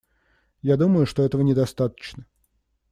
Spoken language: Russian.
Я думаю, что этого недостаточно.